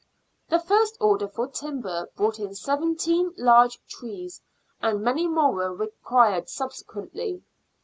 The first order for timber brought in seventeen Jarge trees, and many more were required subsequently.